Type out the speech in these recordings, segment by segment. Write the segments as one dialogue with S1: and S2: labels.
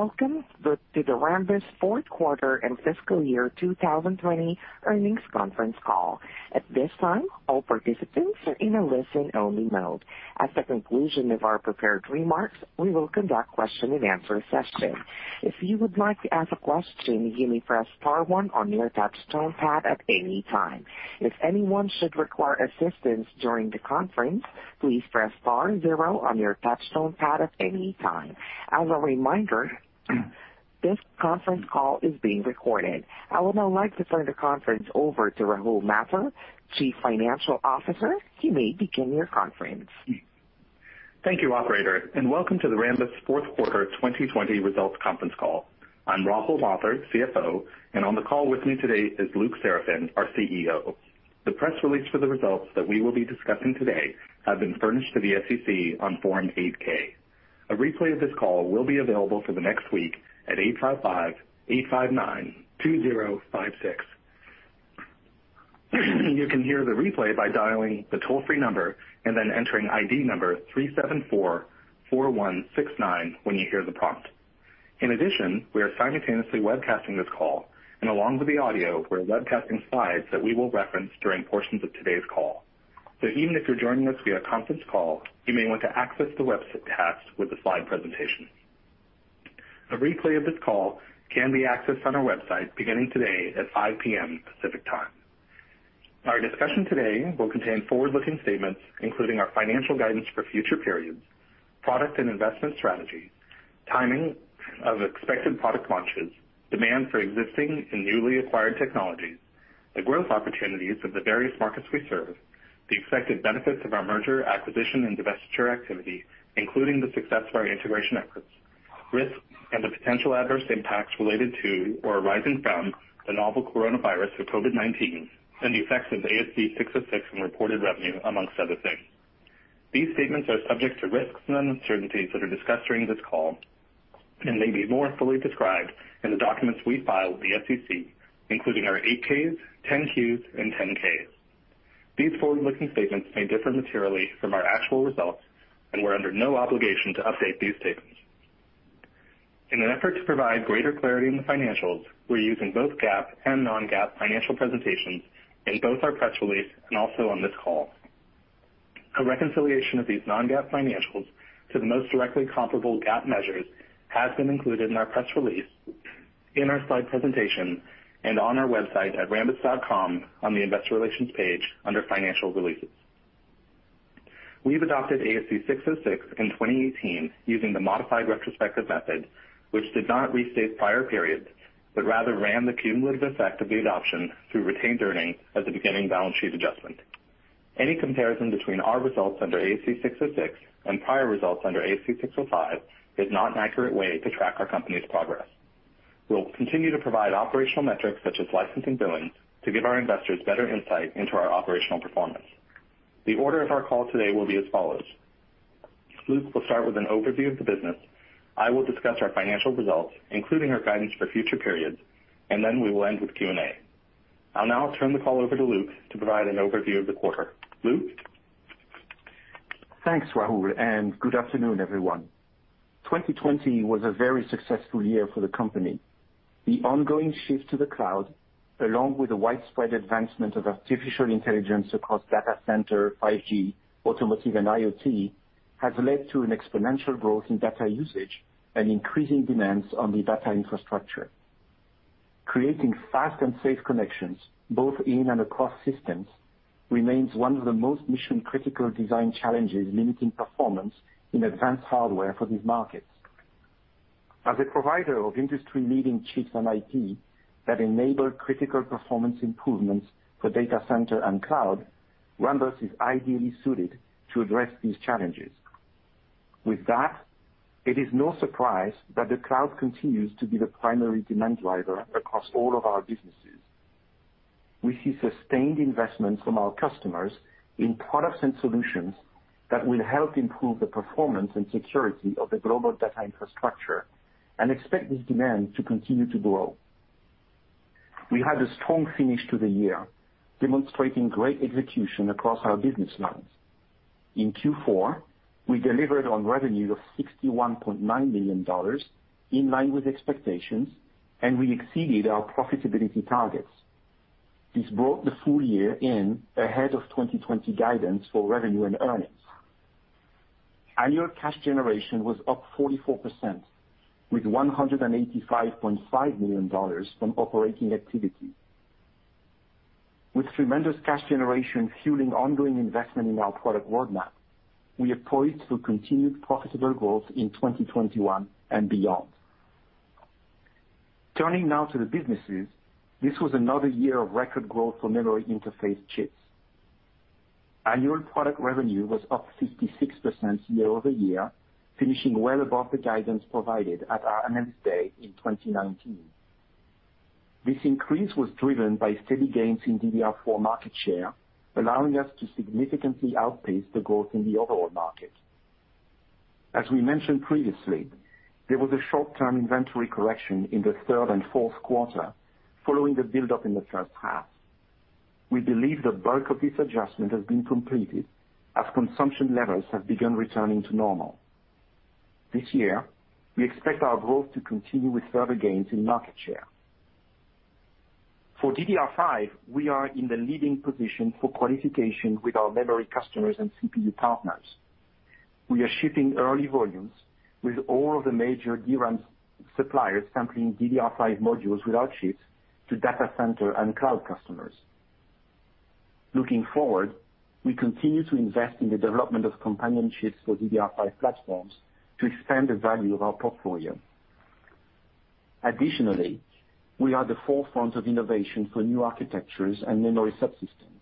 S1: Welcome to the Rambus fourth quarter and fiscal year 2020 earnings conference call. At this time, all participants are in a listen-only mode. At the conclusion of our prepared remarks, we will conduct a question-and-answer session. If you would like to ask a question, you may press star one on your touchtone pad at any time. If anyone should require assistance during the conference, please press star zero on your touchtone pad at any time. A reminder, this conference call is being recorded. I would now like to turn the conference over to Rahul Mathur, Chief Financial Officer. You may begin your conference.
S2: Thank you, operator, welcome to the Rambus fourth quarter 2020 results conference call. I'm Rahul Mathur, CFO, on the call with me today is Luc Seraphin, our CEO. The press release for the results that we will be discussing today have been furnished to the SEC on Form 8-K. A replay of this call will be available for the next week at 855-859-2056. You can hear the replay by dialing the toll-free number and then entering ID number 3744169 when you hear the prompt. In addition, we are simultaneously webcasting this call, and along with the audio, we're webcasting slides that we will reference during portions of today's call. Even if you're joining us via conference call, you may want to access the webcast with the slide presentation. A replay of this call can be accessed on our website beginning today at 5:00 P.M. Pacific Time. Our discussion today will contain forward-looking statements, including our financial guidance for future periods, product and investment strategy, timing of expected product launches, demand for existing and newly acquired technologies, the growth opportunities of the various markets we serve, the expected benefits of our merger, acquisition, and divestiture activity, including the success of our integration efforts, risks and the potential adverse impacts related to or arising from the novel coronavirus or COVID-19, and the effects of ASC 606 on reported revenue, amongst other things. These statements are subject to risks and uncertainties that are discussed during this call and may be more fully described in the documents we file with the SEC, including our 8-Ks, 10-Qs, and 10-Ks. These forward-looking statements may differ materially from our actual results, and we're under no obligation to update these statements. In an effort to provide greater clarity in the financials, we're using both GAAP and non-GAAP financial presentations in both our press release and also on this call. A reconciliation of these non-GAAP financials to the most directly comparable GAAP measures has been included in our press release, in our slide presentation, and on our website at rambus.com on the investor relations page under financial releases. We've adopted ASC 606 in 2018 using the modified retrospective method, which did not restate prior periods, but rather ran the cumulative effect of the adoption through retained earnings as a beginning balance sheet adjustment. Any comparison between our results under ASC 606 and prior results under ASC 605 is not an accurate way to track our company's progress. We'll continue to provide operational metrics such as licensing billing to give our investors better insight into our operational performance. The order of our call today will be as follows. Luc will start with an overview of the business. I will discuss our financial results, including our guidance for future periods, and then we will end with Q&A. I'll now turn the call over to Luc to provide an overview of the quarter. Luc?
S3: Thanks, Rahul, and good afternoon, everyone. 2020 was a very successful year for the company. The ongoing shift to the cloud, along with the widespread advancement of artificial intelligence across data center, 5G, automotive, and IoT, has led to an exponential growth in data usage and increasing demands on the data infrastructure. Creating fast and safe connections both in and across systems remains one of the most mission-critical design challenges limiting performance in advanced hardware for these markets. As a provider of industry-leading chips and IP that enable critical performance improvements for data center and cloud, Rambus is ideally suited to address these challenges. With that, it is no surprise that the cloud continues to be the primary demand driver across all of our businesses. We see sustained investments from our customers in products and solutions that will help improve the performance and security of the global data infrastructure and expect this demand to continue to grow. We had a strong finish to the year, demonstrating great execution across our business lines. In Q4, we delivered on revenues of $61.9 million, in line with expectations, and we exceeded our profitability targets. This brought the full year in ahead of 2020 guidance for revenue and earnings. Annual cash generation was up 44%, with $185.5 million from operating activity. With tremendous cash generation fueling ongoing investment in our product roadmap, we are poised for continued profitable growth in 2021 and beyond. Turning now to the businesses, this was another year of record growth for memory interface chips. Annual product revenue was up 66% year-over-year, finishing well above the guidance provided at our Analyst Day in 2019. This increase was driven by steady gains in DDR4 market share, allowing us to significantly outpace the growth in the overall market. As we mentioned previously, there was a short-term inventory correction in the third and fourth quarter following the buildup in the first half. We believe the bulk of this adjustment has been completed as consumption levels have begun returning to normal. This year, we expect our growth to continue with further gains in market share. For DDR5, we are in the leading position for qualification with our memory customers and CPU partners. We are shipping early volumes with all of the major DRAM suppliers sampling DDR5 modules with our chips to data center and cloud customers. Looking forward, we continue to invest in the development of companion chips for DDR5 platforms to expand the value of our portfolio. Additionally, we are at the forefront of innovation for new architectures and memory subsystems,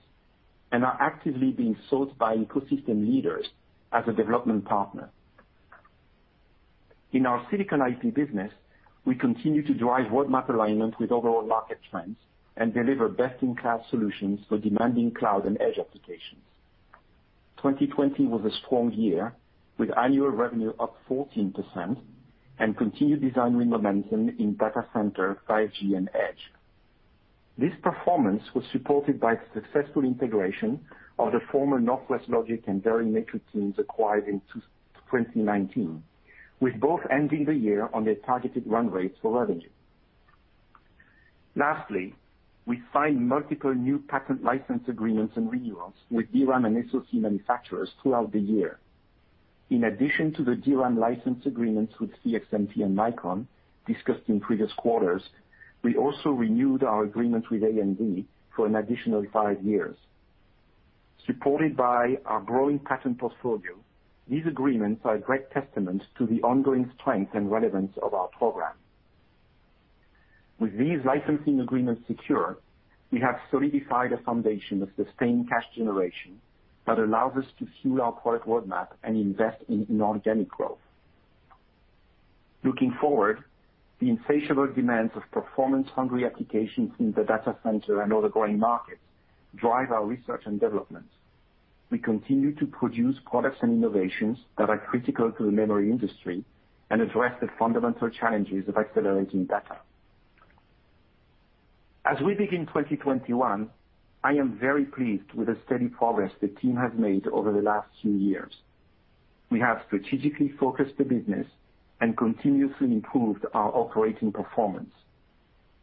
S3: and are actively being sought by ecosystem leaders as a development partner. In our Silicon IP business, we continue to drive roadmap alignment with overall market trends and deliver best-in-class solutions for demanding cloud and edge applications. 2020 was a strong year, with annual revenue up 14% and continued design win momentum in data center, 5G, and edge. This performance was supported by successful integration of the former Northwest Logic and Verimatrix teams acquired in 2019, with both ending the year on their targeted run rates for revenue. Lastly, we signed multiple new patent license agreements and renewals with DRAM and SoC manufacturers throughout the year. In addition to the DRAM license agreements with CXMT and Micron discussed in previous quarters, we also renewed our agreement with AMD for an additional five years. Supported by our growing patent portfolio, these agreements are a great testament to the ongoing strength and relevance of our program. With these licensing agreements secure, we have solidified a foundation of sustained cash generation that allows us to fuel our product roadmap and invest in inorganic growth. Looking forward, the insatiable demands of performance-hungry applications in the data center and other growing markets drive our research and development. We continue to produce products and innovations that are critical to the memory industry and address the fundamental challenges of accelerating data. As we begin 2021, I am very pleased with the steady progress the team has made over the last few years. We have strategically focused the business and continuously improved our operating performance.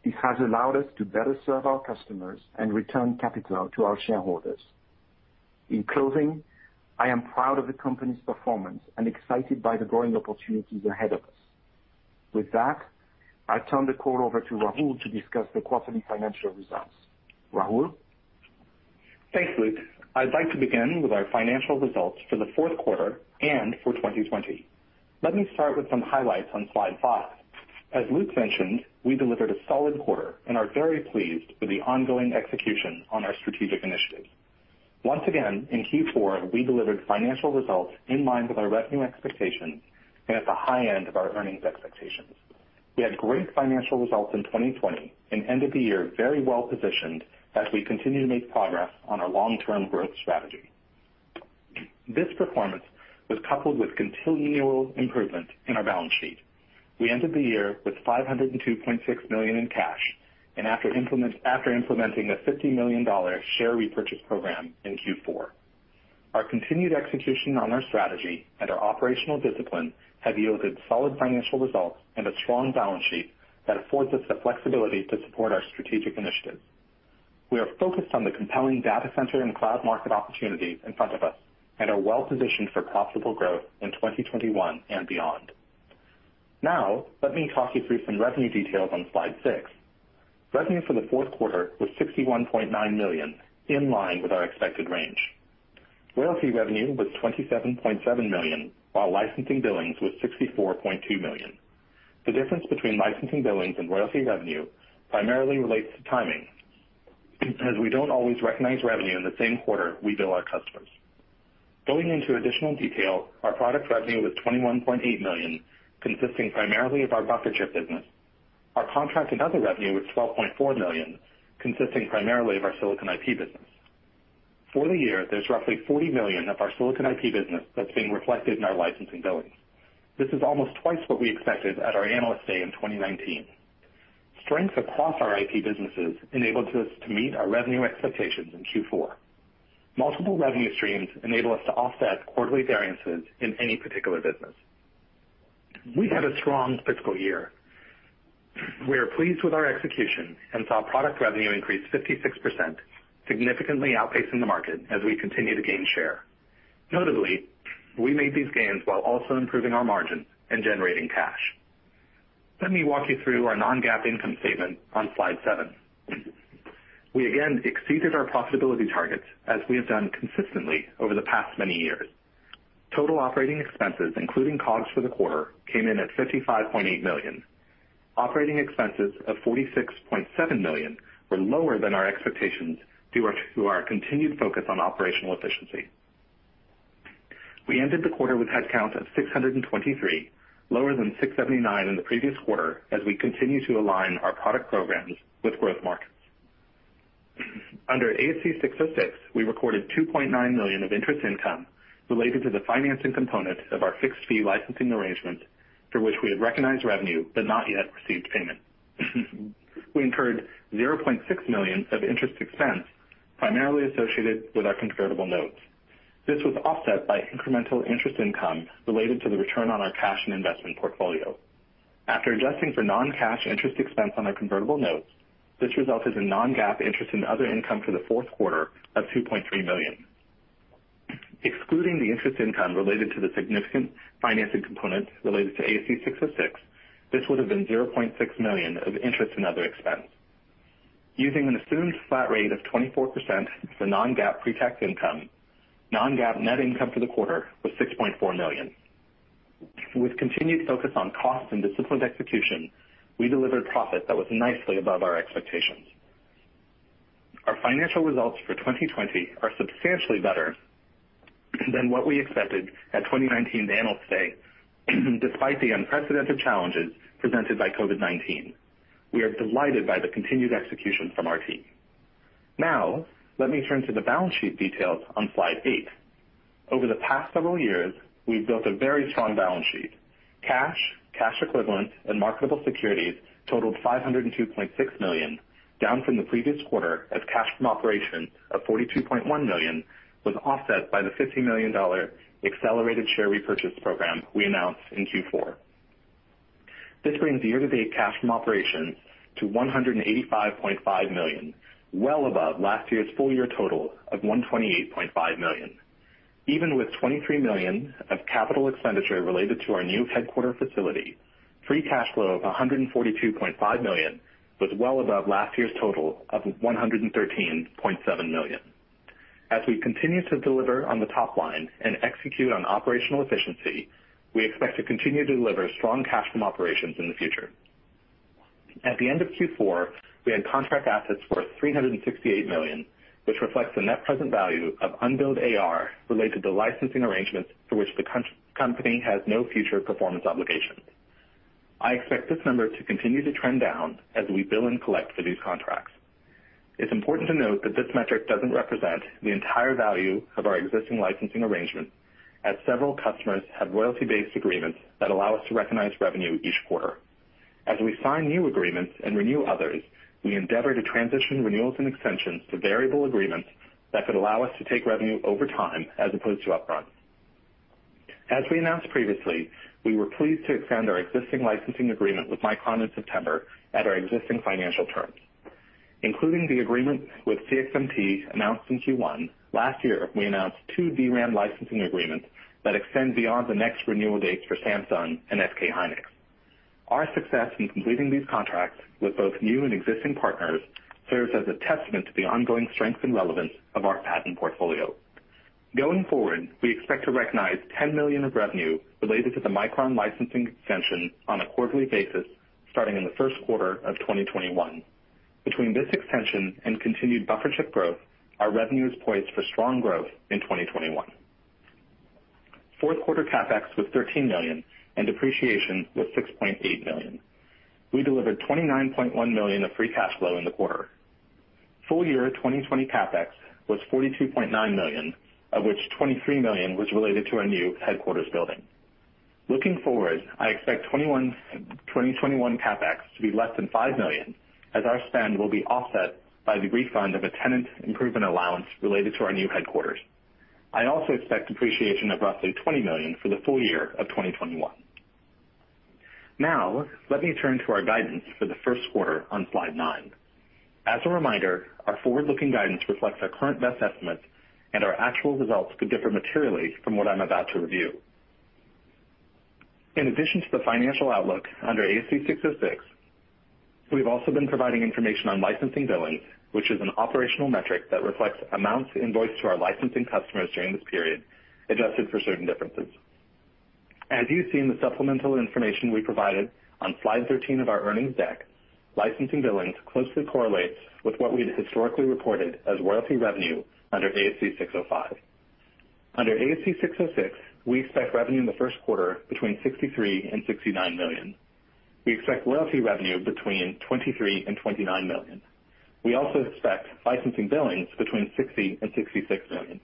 S3: This has allowed us to better serve our customers and return capital to our shareholders. In closing, I am proud of the company's performance and excited by the growing opportunities ahead of us. With that, I turn the call over to Rahul to discuss the quarterly financial results. Rahul?
S2: Thanks, Luc. I'd like to begin with our financial results for the fourth quarter and for 2020. Let me start with some highlights on slide 5. As Luc mentioned, we delivered a solid quarter and are very pleased with the ongoing execution on our strategic initiatives. Once again, in Q4, we delivered financial results in line with our revenue expectations and at the high end of our earnings expectations. We had great financial results in 2020 and end of the year very well-positioned as we continue to make progress on our long-term growth strategy. This performance was coupled with continual improvement in our balance sheet. We ended the year with $502.6 million in cash and after implementing a $50 million share repurchase program in Q4. Our continued execution on our strategy and our operational discipline have yielded solid financial results and a strong balance sheet that affords us the flexibility to support our strategic initiatives. We are focused on the compelling data center and cloud market opportunities in front of us and are well positioned for profitable growth in 2021 and beyond. Let me talk you through some revenue details on slide 6. Revenue for the fourth quarter was $61.9 million, in line with our expected range. Royalty revenue was $27.7 million, while licensing billings was $64.2 million. The difference between licensing billings and royalty revenue primarily relates to timing, as we don't always recognize revenue in the same quarter we bill our customers. Going into additional detail, our product revenue was $21.8 million, consisting primarily of our buffer chip business. Our contract and other revenue was $12.4 million, consisting primarily of our Silicon IP business. For the year, there is roughly $40 million of our Silicon IP business that is being reflected in our licensing billings. This is almost twice what we expected at our Analyst Day in 2019. Strength across our IP businesses enabled us to meet our revenue expectations in Q4. Multiple revenue streams enable us to offset quarterly variances in any particular business. We have had a strong fiscal year. We are pleased with our execution and saw product revenue increase 56%, significantly outpacing the market as we continue to gain share. Notably, we made these gains while also improving our margin and generating cash. Let me walk you through our non-GAAP income statement on slide 7. We again exceeded our profitability targets, as we have done consistently over the past many years. Total operating expenses, including COGS for the quarter, came in at $55.8 million. Operating expenses of $46.7 million were lower than our expectations due to our continued focus on operational efficiency. We ended the quarter with headcount of 623, lower than 679 in the previous quarter, as we continue to align our product programs with growth markets. Under ASC 606, we recorded $2.9 million of interest income related to the financing component of our fixed fee licensing arrangement for which we had recognized revenue but not yet received payment. We incurred $0.6 million of interest expense, primarily associated with our convertible notes. This was offset by incremental interest income related to the return on our cash and investment portfolio. After adjusting for non-GAAP interest expense on our convertible notes, this resulted in non-GAAP interest and other income for the fourth quarter of $2.3 million. Excluding the interest income related to the significant financing components related to ASC 606, this would've been $0.6 million of interest and other expense. Using an assumed flat rate of 24% for non-GAAP pretax income, non-GAAP net income for the quarter was $6.4 million. With continued focus on cost and disciplined execution, we delivered profit that was nicely above our expectations. Our financial results for 2020 are substantially better than what we expected at 2019's Analyst Day, despite the unprecedented challenges presented by COVID-19. We are delighted by the continued execution from our team. Let me turn to the balance sheet details on slide 8. Over the past several years, we've built a very strong balance sheet. Cash, cash equivalents, and marketable securities totaled $502.6 million, down from the previous quarter as cash from operations of $42.1 million was offset by the $50 million accelerated share repurchase program we announced in Q4. This brings year-to-date cash from operations to $185.5 million, well above last year's full year total of $128.5 million. Even with $23 million of capital expenditure related to our new headquarters facility, free cash flow of $142.5 million was well above last year's total of $113.7 million. As we continue to deliver on the top line and execute on operational efficiency, we expect to continue to deliver strong cash from operations in the future. At the end of Q4, we had contract assets worth $368 million, which reflects the net present value of unbilled AR related to licensing arrangements for which the company has no future performance obligations. I expect this number to continue to trend down as we bill and collect for these contracts. It's important to note that this metric doesn't represent the entire value of our existing licensing arrangements, as several customers have royalty-based agreements that allow us to recognize revenue each quarter. As we sign new agreements and renew others, we endeavor to transition renewals and extensions to variable agreements that could allow us to take revenue over time as opposed to upfront. As we announced previously, we were pleased to extend our existing licensing agreement with Micron in September at our existing financial terms. Including the agreement with CXMT announced in Q1, last year, we announced two DRAM licensing agreements that extend beyond the next renewal dates for Samsung and SK Hynix. Our success in completing these contracts with both new and existing partners serves as a testament to the ongoing strength and relevance of our patent portfolio. Going forward, we expect to recognize $10 million of revenue related to the Micron licensing extension on a quarterly basis starting in the first quarter of 2021. Between this extension and continued buffer chip growth, our revenue is poised for strong growth in 2021. Fourth quarter CapEx was $13 million, and depreciation was $6.8 million. We delivered $29.1 million of free cash flow in the quarter. Full year 2020 CapEx was $42.9 million, of which $23 million was related to our new headquarters building. Looking forward, I expect 2021 CapEx to be less than $5 million, as our spend will be offset by the refund of a tenant improvement allowance related to our new headquarters. I also expect depreciation of roughly $20 million for the full year of 2021. Let me turn to our guidance for the first quarter on slide 9. As a reminder, our forward-looking guidance reflects our current best estimates, and our actual results could differ materially from what I'm about to review. In addition to the financial outlook under ASC 606, we've also been providing information on licensing billings, which is an operational metric that reflects amounts invoiced to our licensing customers during this period, adjusted for certain differences. As you see in the supplemental information we provided on slide 13 of our earnings deck, licensing billings closely correlates with what we had historically reported as royalty revenue under ASC 605. Under ASC 606, we expect revenue in the first quarter between $63 million and $69 million. We expect royalty revenue between $23 million and $29 million. We also expect licensing billings between $60 and $66 million.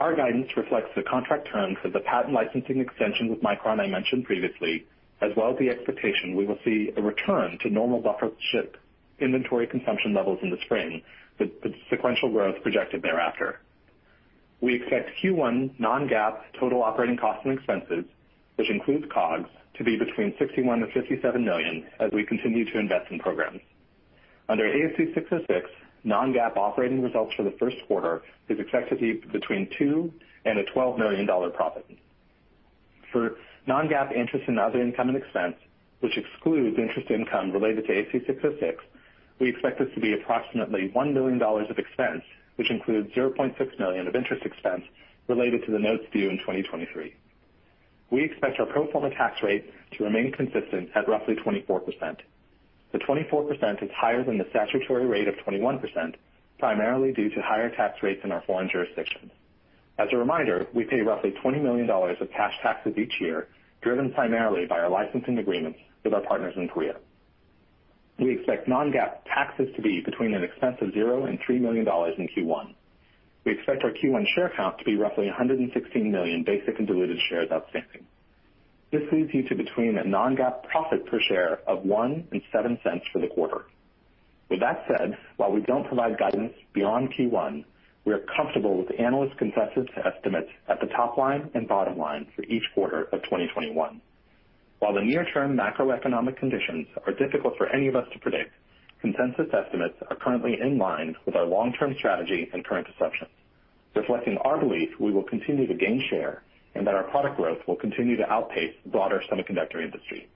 S2: Our guidance reflects the contract terms of the patent licensing extension with Micron I mentioned previously, as well as the expectation we will see a return to normal buffer chip inventory consumption levels in the spring, with sequential growth projected thereafter. We expect Q1 non-GAAP total operating costs and expenses, which includes COGS, to be between $61 and $57 million as we continue to invest in programs. Under ASC 606, non-GAAP operating results for the first quarter is expected to be between $2 and a $12 million profit. For non-GAAP interest in other income and expense, which excludes interest income related to ASC 606, we expect this to be approximately $1 million of expense, which includes $0.6 million of interest expense related to the notes due in 2023. We expect our pro forma tax rate to remain consistent at roughly 24%. The 24% is higher than the statutory rate of 21%, primarily due to higher tax rates in our foreign jurisdictions. As a reminder, we pay roughly $20 million of cash taxes each year, driven primarily by our licensing agreements with our partners in Korea. We expect non-GAAP taxes to be between an expense of $0 million and $3 million in Q1. We expect our Q1 share count to be roughly 116 million basic and diluted shares outstanding. This leads you to between a non-GAAP profit per share of $0.01 and $0.07 for the quarter. With that said, while we don't provide guidance beyond Q1, we are comfortable with analyst consensus estimates at the top line and bottom line for each quarter of 2021. While the near-term macroeconomic conditions are difficult for any of us to predict, consensus estimates are currently in line with our long-term strategy and current assumptions, reflecting our belief we will continue to gain share and that our product growth will continue to outpace the broader semiconductor industry.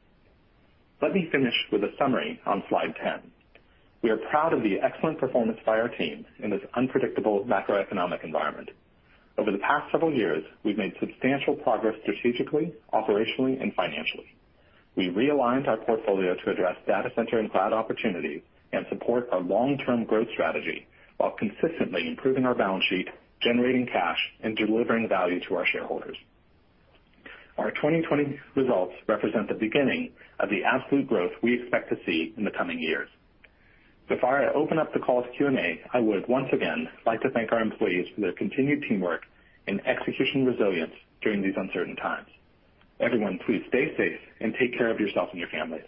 S2: Let me finish with a summary on slide 10. We are proud of the excellent performance by our teams in this unpredictable macroeconomic environment. Over the past several years, we've made substantial progress strategically, operationally, and financially. We realigned our portfolio to address data center and cloud opportunities and support our long-term growth strategy while consistently improving our balance sheet, generating cash, and delivering value to our shareholders. Our 2020 results represent the beginning of the absolute growth we expect to see in the coming years. Before I open up the call to Q&A, I would once again like to thank our employees for their continued teamwork and execution resilience during these uncertain times. Everyone, please stay safe and take care of yourself and your families.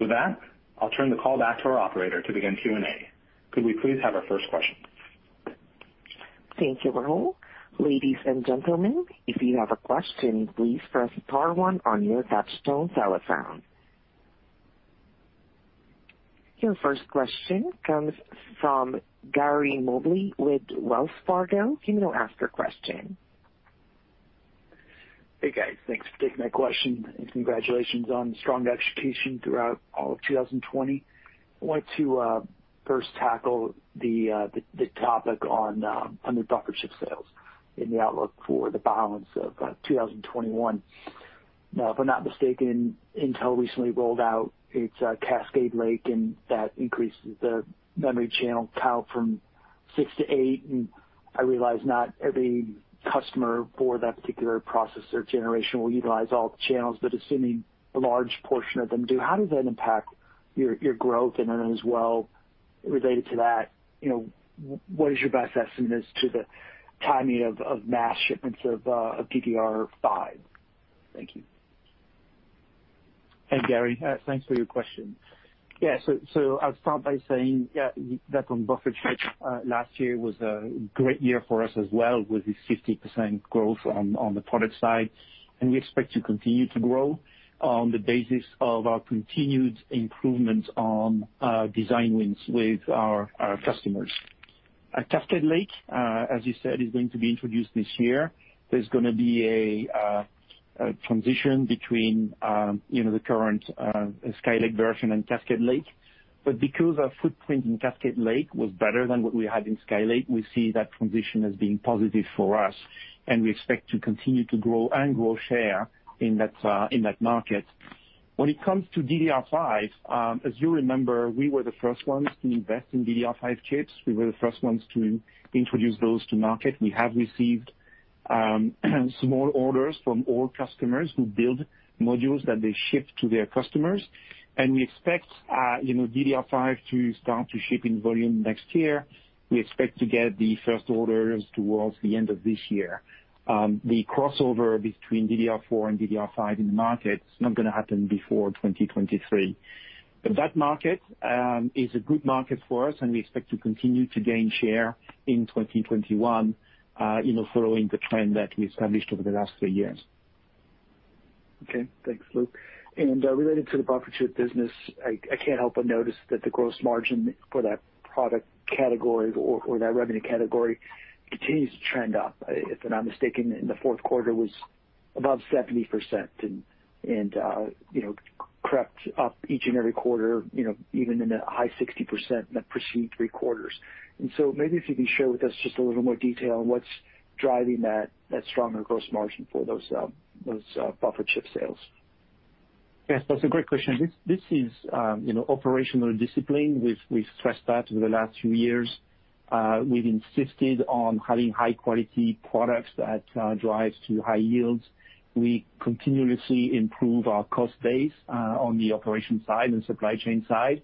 S2: With that, I'll turn the call back to our operator to begin Q&A. Could we please have our first question?
S1: Thank you, Rahul. Ladies and gentlemen, if you have a question, please press star one on your touchtone telephone. Your first question comes from Gary Mobley with Wells Fargo. You may ask your question.
S4: Hey, guys. Thanks for taking my question. Congratulations on the strong execution throughout all of 2020. I want to first tackle the topic on the buffer chip sales and the outlook for the balance of 2021. If I'm not mistaken, Intel recently rolled out its Cascade Lake. That increases the memory channel count from six to eight. I realize not every customer for that particular processor generation will utilize all the channels. Assuming a large portion of them do, how does that impact your growth? As well related to that, what is your best estimate as to the timing of mass shipments of DDR5? Thank you.
S3: Hey, Gary. Thanks for your question. I'll start by saying that on buffer chips, last year was a great year for us as well, with the 50% growth on the product side, we expect to continue to grow on the basis of our continued improvement on design wins with our customers. Cascade Lake, as you said, is going to be introduced this year. There's going to be a transition between the current Skylake version and Cascade Lake. Because our footprint in Cascade Lake was better than what we had in Skylake, we see that transition as being positive for us, we expect to continue to grow and grow share in that market. When it comes to DDR5, as you remember, we were the first ones to invest in DDR5 chips. We were the first ones to introduce those to market. We have received small orders from all customers who build modules that they ship to their customers. We expect DDR5 to start to ship in volume next year. We expect to get the first orders towards the end of this year. The crossover between DDR4 and DDR5 in the market is not going to happen before 2023. That market is a good market for us, and we expect to continue to gain share in 2021, following the trend that we established over the last three years.
S4: Okay. Thanks, Luc. Related to the buffer chip business, I can't help but notice that the gross margin for that product category or that revenue category continues to trend up. If I'm not mistaken, in the fourth quarter, it was above 70% and crept up each and every quarter, even in the high 60% in the preceding three quarters. Maybe if you can share with us just a little more detail on what's driving that stronger gross margin for those buffer chip sales.
S3: Yes, that's a great question. This is operational discipline. We've stressed that over the last few years. We've insisted on having high-quality products that drive to high yields. We continuously improve our cost base on the operation side and supply chain side,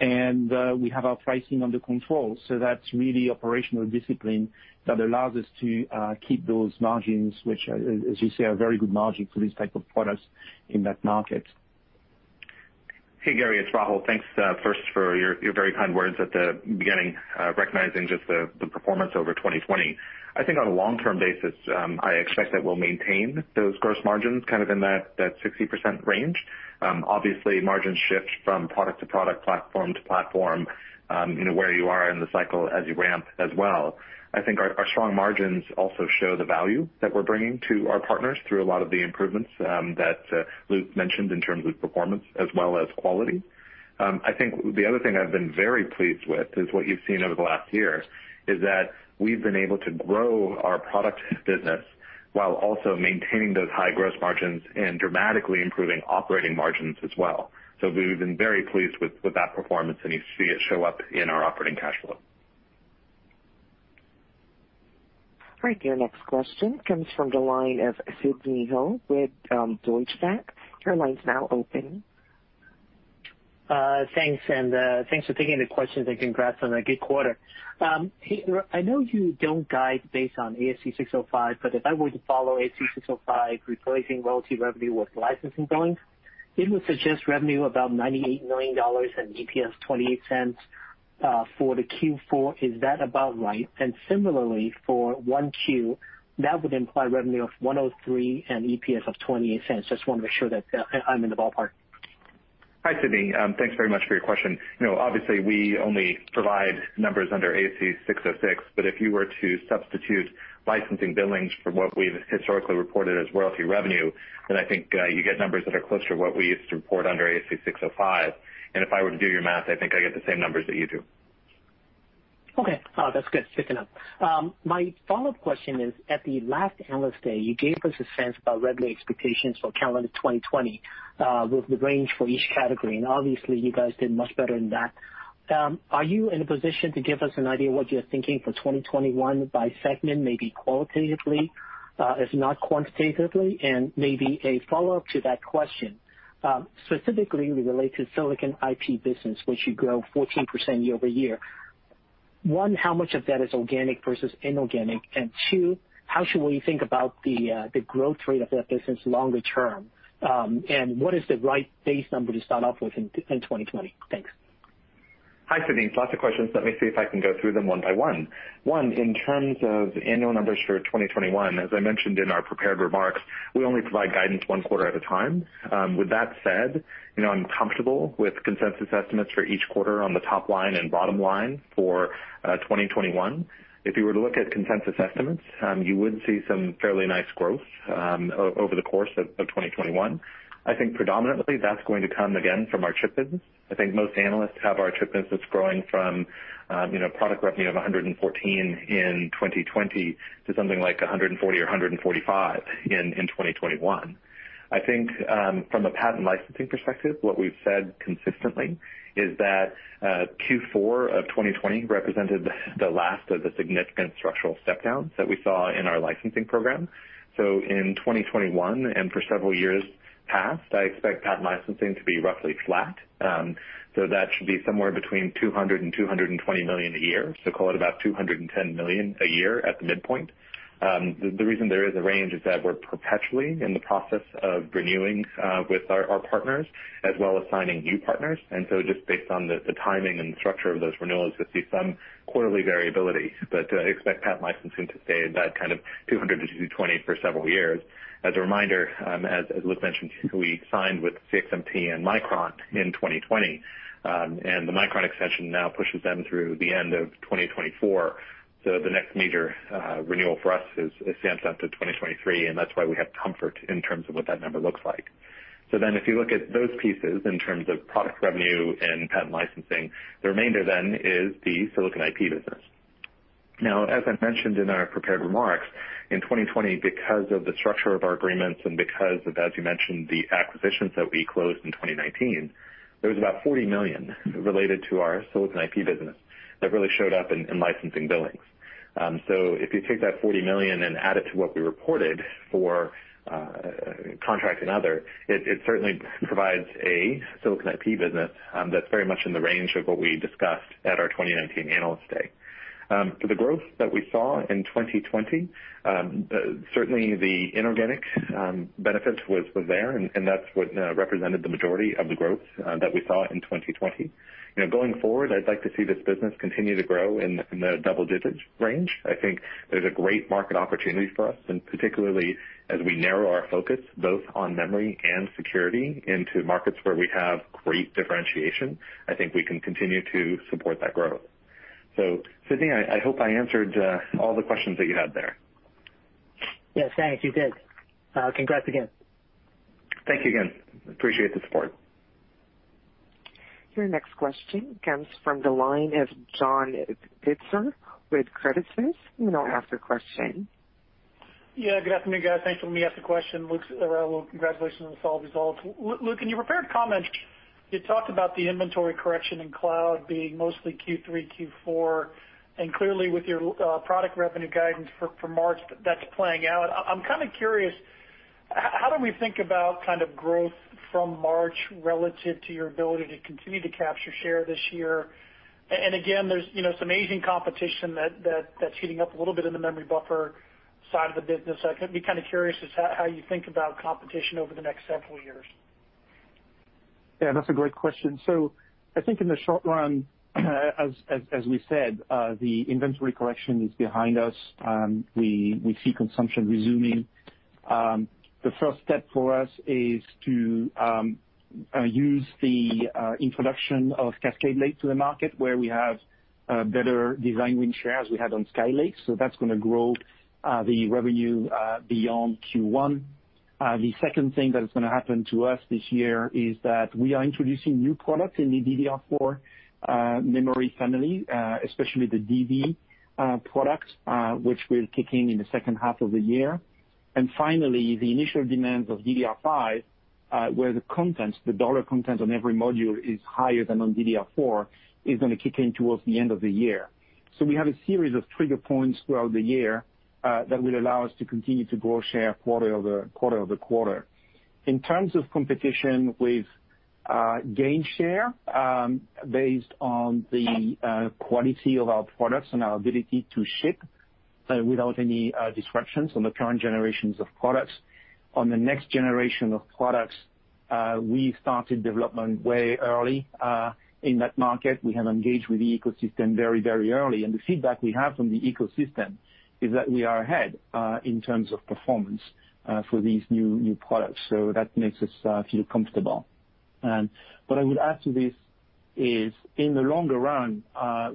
S3: and we have our pricing under control. That's really operational discipline that allows us to keep those margins, which, as you say, are very good margins for these type of products in that market.
S2: Hey, Gary, it's Rahul. Thanks first for your very kind words at the beginning, recognizing just the performance over 2020. I think on a long-term basis, I expect that we'll maintain those gross margins kind of in that 60% range. Obviously, margins shift from product to product, platform to platform, where you are in the cycle as you ramp as well. I think our strong margins also show the value that we're bringing to our partners through a lot of the improvements that Luc mentioned in terms of performance as well as quality. I think the other thing I've been very pleased with is what you've seen over the last year, is that we've been able to grow our product business while also maintaining those high gross margins and dramatically improving operating margins as well. We've been very pleased with that performance, and you see it show up in our operating cash flow.
S1: Right. Your next question comes from the line of Sidney Ho with Deutsche Bank. Your line's now open.
S5: Thanks for taking the questions, and congrats on a good quarter. Peyton, I know you don't guide based on ASC 605, but if I were to follow ASC 605, replacing royalty revenue with licensing billings, it would suggest revenue about $98 million and EPS $0.28 for the Q4. Is that about right? Similarly, for 1Q, that would imply revenue of $103 million and EPS of $0.28. Just wanted to show that I'm in the ballpark.
S2: Hi, Sidney. Thanks very much for your question. Obviously, we only provide numbers under ASC 606, if you were to substitute licensing billings from what we've historically reported as royalty revenue, then I think you get numbers that are closer to what we used to report under ASC 605. If I were to do your math, I think I get the same numbers that you do.
S5: Okay. That's good. Good to know. My follow-up question is, at the last Analyst Day, you gave us a sense about revenue expectations for calendar 2020, with the range for each category, and obviously, you guys did much better than that. Are you in a position to give us an idea what you're thinking for 2021 by segment, maybe qualitatively, if not quantitatively? Maybe a follow-up to that question, specifically relate to Silicon IP business, which you grew 14% year-over-year. One, how much of that is organic versus inorganic? Two, how should we think about the growth rate of that business longer term? What is the right base number to start off with in 2020? Thanks.
S2: Hi, Sidney. Lots of questions. Let me see if I can go through them one by one. One, in terms of annual numbers for 2021, as I mentioned in our prepared remarks, we only provide guidance one quarter at a time. With that said, I'm comfortable with consensus estimates for each quarter on the top line and bottom line for 2021. If you were to look at consensus estimates, you would see some fairly nice growth over the course of 2021. I think predominantly that's going to come, again, from our chip business. I think most analysts have our chip business growing from product revenue of $114 in 2020 to something like $140 or $145 in 2021. I think from a patent licensing perspective, what we've said consistently is that Q4 of 2020 represented the last of the significant structural step downs that we saw in our licensing program. In 2021 and for several years past, I expect patent licensing to be roughly flat. That should be somewhere between $200 million and $220 million a year, call it about $210 million a year at the midpoint. The reason there is a range is that we're perpetually in the process of renewing with our partners as well as signing new partners. Just based on the timing and the structure of those renewals, you'll see some quarterly variability. I expect patent licensing to stay in that $200 million-$220 million for several years. As a reminder, as Luc mentioned, we signed with CXMT and Micron in 2020. The Micron extension now pushes them through the end of 2024. The next major renewal for us is Samsung to 2023, and that's why we have comfort in terms of what that number looks like. If you look at those pieces in terms of product revenue and patent licensing, the remainder then is the Silicon IP business. As I mentioned in our prepared remarks, in 2020, because of the structure of our agreements and because of, as you mentioned, the acquisitions that we closed in 2019, there was about $40 million related to our Silicon IP business that really showed up in licensing billings. If you take that $40 million and add it to what we reported for contract and other, it certainly provides a Silicon IP business that's very much in the range of what we discussed at our 2019 Analyst Day. For the growth that we saw in 2020, certainly the inorganic benefit was there, and that's what represented the majority of the growth that we saw in 2020. Going forward, I'd like to see this business continue to grow in the double-digits range. I think there's a great market opportunity for us, and particularly as we narrow our focus both on memory and security into markets where we have great differentiation, I think we can continue to support that growth. Sidney, I hope I answered all the questions that you had there.
S5: Yes, thanks. You did. Congrats again.
S2: Thank you again. Appreciate the support.
S1: Your next question comes from the line of John Pitzer with Credit Suisse. You may ask your question.
S6: Yeah. Good afternoon, guys. Thanks for letting me ask the question. Luc, Rahul, congratulations on the solid results. Luc, in your prepared comments, you talked about the inventory correction in cloud being mostly Q3, Q4, and clearly with your product revenue guidance for March, that's playing out. I'm curious, how do we think about growth from March relative to your ability to continue to capture share this year? Again, there's some aging competition that's heating up a little bit in the memory buffer side of the business. I'd be curious as to how you think about competition over the next several years.
S3: That's a great question. I think in the short run, as we said, the inventory correction is behind us. We see consumption resuming. The first step for us is to use the introduction of Cascade Lake to the market, where we have better design win share as we had on Skylake. That's going to grow the revenue beyond Q1. The second thing that is going to happen to us this year is that we are introducing new products in the DDR4 memory family, especially the DB product, which will kick in in the second half of the year. Finally, the initial demands of DDR5, where the dollar content on every module is higher than on DDR4, is going to kick in towards the end of the year. We have a series of trigger points throughout the year that will allow us to continue to grow share quarter-over-quarter. In terms of competition, we've gained share based on the quality of our products and our ability to ship without any disruptions on the current generations of products. On the next generation of products, we started development way early in that market. We have engaged with the ecosystem very early, and the feedback we have from the ecosystem is that we are ahead in terms of performance for these new products. That makes us feel comfortable. What I would add to this is, in the longer run,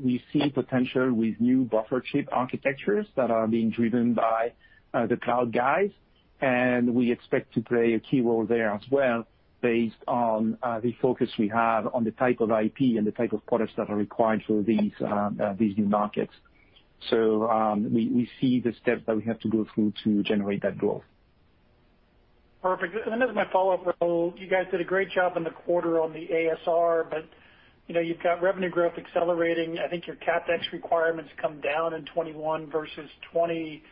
S3: we see potential with new buffer chip architectures that are being driven by the cloud guys, and we expect to play a key role there as well based on the focus we have on the type of IP and the type of products that are required for these new markets. We see the steps that we have to go through to generate that growth.
S6: Perfect. Then as my follow-up, Rahul, you guys did a great job in the quarter on the ASR, but you've got revenue growth accelerating. I think your CapEx requirements come down in 2021 versus 2020.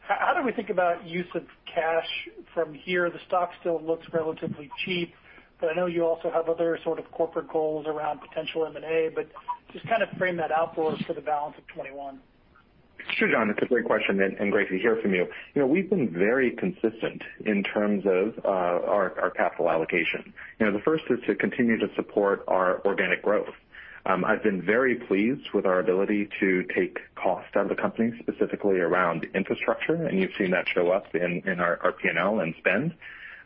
S6: How do we think about use of cash from here? The stock still looks relatively cheap, but I know you also have other sort of corporate goals around potential M&A, but just kind of frame that out for us for the balance of 2021.
S2: Sure, John. It's a great question, and great to hear from you. We've been very consistent in terms of our capital allocation. The first is to continue to support our organic growth. I've been very pleased with our ability to take cost out of the company, specifically around infrastructure, and you've seen that show up in our P&L and spend.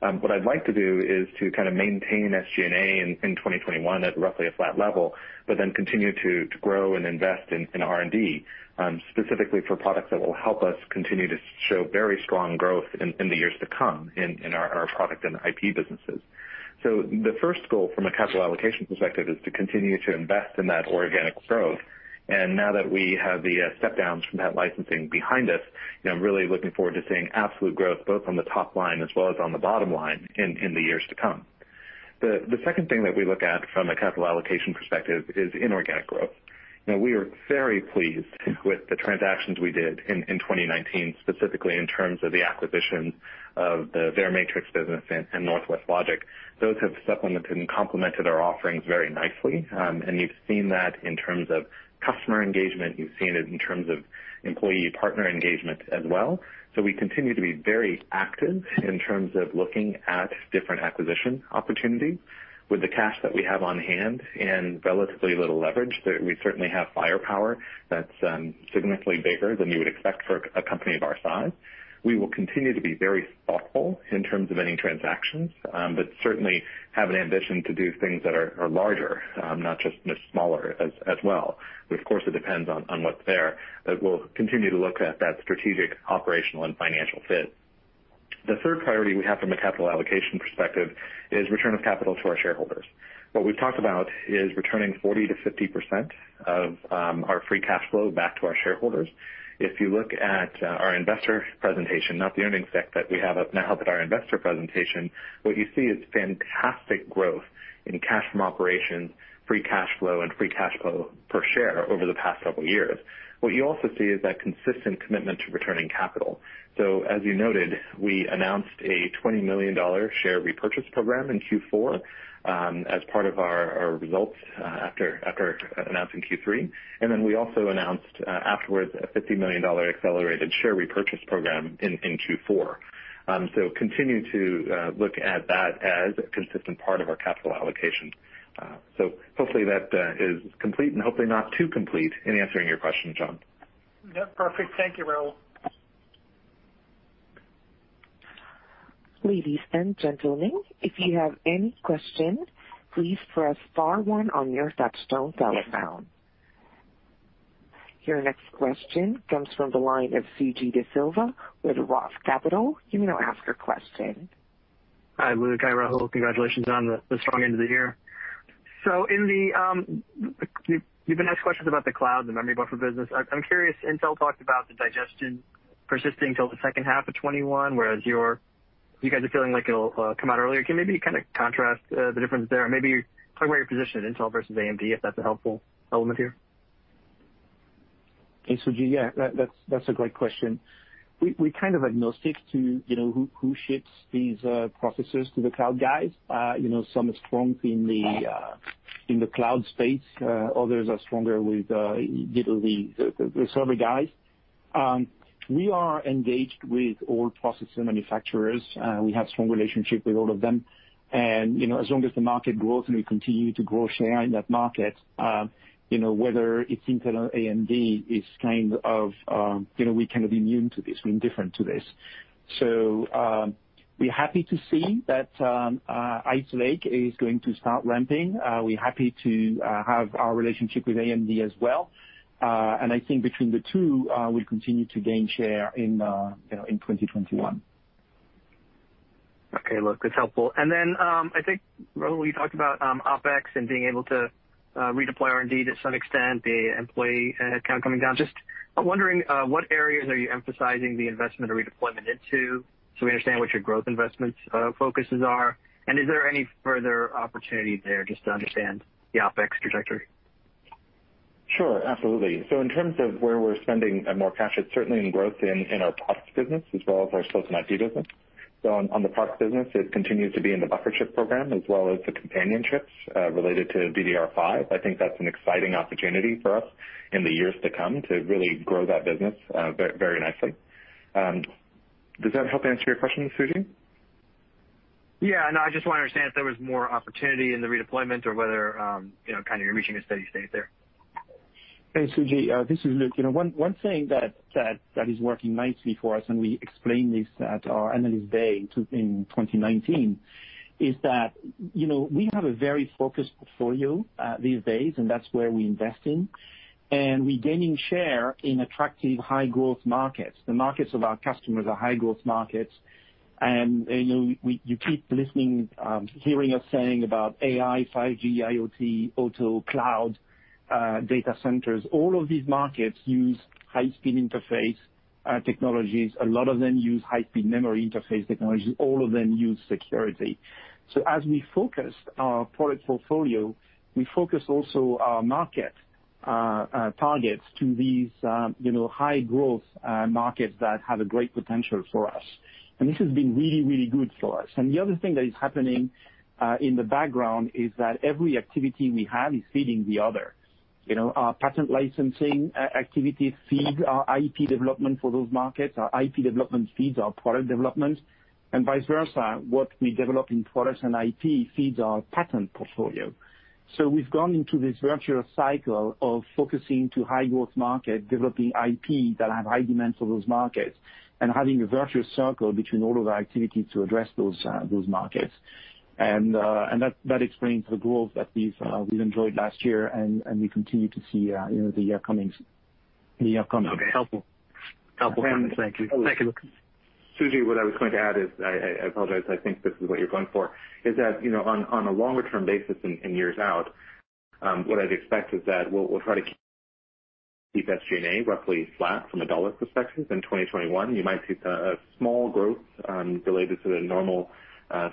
S2: What I'd like to do is to kind of maintain SG&A in 2021 at roughly a flat level, but then continue to grow and invest in R&D, specifically for products that will help us continue to show very strong growth in the years to come in our product and IP businesses. The first goal from a capital allocation perspective is to continue to invest in that organic growth. Now that we have the step downs from that licensing behind us, I'm really looking forward to seeing absolute growth both on the top line as well as on the bottom line in the years to come. The second thing that we look at from a capital allocation perspective is inorganic growth. We are very pleased with the transactions we did in 2019, specifically in terms of the acquisition of the Verimatrix business and Northwest Logic. Those have supplemented and complemented our offerings very nicely. You've seen that in terms of customer engagement. You've seen it in terms of employee partner engagement as well. We continue to be very active in terms of looking at different acquisition opportunities with the cash that we have on hand and relatively little leverage. We certainly have firepower that's significantly bigger than you would expect for a company of our size. We will continue to be very thoughtful in terms of any transactions, but certainly have an ambition to do things that are larger, not just smaller as well. Of course, it depends on what's there. We'll continue to look at that strategic, operational, and financial fit. The third priority we have from a capital allocation perspective is return of capital to our shareholders. What we've talked about is returning 40%-50% of our free cash flow back to our shareholders. If you look at our investor presentation, not the earnings deck that we have up now, but our investor presentation, what you see is fantastic growth in cash from operations, free cash flow, and free cash flow per share over the past couple of years. What you also see is that consistent commitment to returning capital. As you noted, we announced a $20 million share repurchase program in Q4 as part of our results after announcing Q3. We also announced afterwards a $50 million accelerated share repurchase program in Q4. Continue to look at that as a consistent part of our capital allocation. Hopefully that is complete and hopefully not too complete in answering your question, John.
S6: Yep, perfect. Thank you, Rahul.
S1: Ladies and gentlemen, if you have any questions, please press star one on your touchtone telephone. Your next question comes from the line of Suji DeSilva with Roth Capital. You may now ask your question.
S7: Hi, Luc and Rahul. Congratulations on the strong end of the year. You've been asked questions about the cloud, the memory buffer business. I'm curious, Intel talked about the digestion persisting till the second half of 2021, whereas you guys are feeling like it'll come out earlier. Can you maybe kind of contrast the difference there? Or maybe talk about your position at Intel versus AMD, if that's a helpful element here.
S3: Hey, Suji. Yeah, that's a great question. We're kind of agnostic to who ships these processors to the cloud guys. Some are strong in the cloud space, others are stronger with the server guys. We are engaged with all processor manufacturers. We have strong relationships with all of them. As long as the market grows and we continue to grow share in that market, whether it's Intel or AMD, we're kind of immune to this. We're indifferent to this. We're happy to see that Ice Lake is going to start ramping. We're happy to have our relationship with AMD as well. I think between the two, we'll continue to gain share in 2021.
S7: Okay, Luc, that's helpful. I think, Rahul, you talked about OpEx and being able to redeploy R&D to some extent, the employee headcount coming down. I'm wondering what areas are you emphasizing the investment or redeployment into, so we understand what your growth investments focuses are, and is there any further opportunity there just to understand the OpEx trajectory?
S2: Sure, absolutely. In terms of where we're spending more cash, it's certainly in growth in our products business as well as our systems IP business. On the products business, it continues to be in the buffer chip program as well as the companion chips related to DDR5. I think that's an exciting opportunity for us in the years to come to really grow that business very nicely. Does that help answer your question, Suji?
S7: Yeah. No, I just want to understand if there was more opportunity in the redeployment or whether you're reaching a steady state there.
S3: Hey, Suji, this is Luc. One thing that is working nicely for us, and we explained this at our Analyst Day in 2019, is that we have a very focused portfolio these days, and that's where we invest in. We're gaining share in attractive high growth markets. The markets of our customers are high growth markets. You keep hearing us saying about AI, 5G, IoT, auto, cloud, data centers. All of these markets use high-speed interface technologies. A lot of them use high-speed memory interface technologies. All of them use security. As we focus our product portfolio, we focus also our market targets to these high growth markets that have a great potential for us. This has been really, really good for us. The other thing that is happening in the background is that every activity we have is feeding the other. Our patent licensing activities feed our IP development for those markets. Our IP development feeds our product development and vice versa. What we develop in products and IP feeds our patent portfolio. We've gone into this virtuous cycle of focusing to high growth market, developing IP that have high demands for those markets, and having a virtuous cycle between all of our activities to address those markets. That explains the growth that we've enjoyed last year and we continue to see in the year coming.
S7: Okay. Helpful. Thank you.
S2: Suji, what I was going to add is, I apologize, I think this is what you're going for, is that, on a longer term basis in years out, what I'd expect is that we'll try to keep SG&A roughly flat from a dollar perspective. In 2021, you might see a small growth related to the normal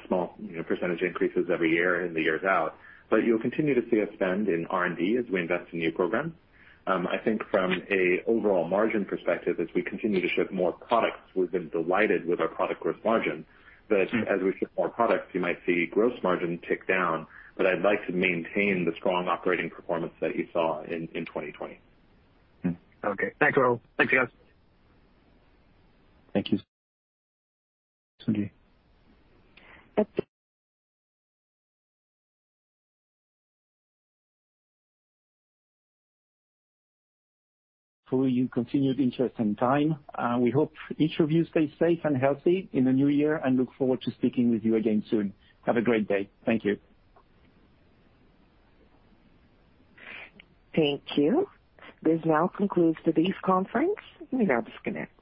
S2: small percentage increases every year in and the years out. You'll continue to see us spend in R&D as we invest in new programs. I think from a overall margin perspective, as we continue to ship more products, we've been delighted with our product gross margin. As we ship more products, you might see gross margin tick down, but I'd like to maintain the strong operating performance that you saw in 2020.
S7: Okay. Thanks, Rahul. Thanks, guys.
S2: Thank you, Suji,
S3: For your continued interest and time. We hope each of you stay safe and healthy in the new year and look forward to speaking with you again soon. Have a great day. Thank you.
S1: Thank you. This now concludes the brief conference. You may now disconnect.